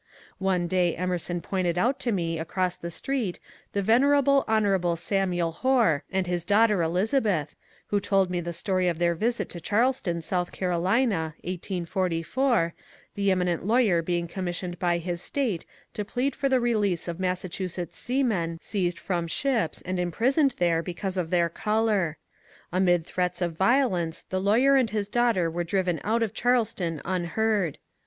One day Emerson pointed out to me HON. SAMUEL HOAR 146 across the street the venerable Hon. Samuel Hoar and his daughter Elizabeth, and told me the story of their visit to Charleston, S. C. (1844), the eminent lawyer being commis sioned by his State to plead for the release of Massachusetts seamen seized from ships and imprisoned there because of their colour. Amid threats of violence the lawyer and his daughter were driven out of Charleston unheard.